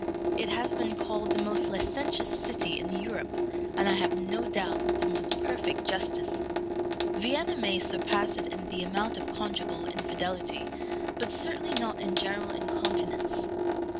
It has been called the most licentious city in Europe, and I have no doubt with the most perfect justice. Vienna may surpass it in the amount of conjugal infidelity, but certainly not in general incontinence.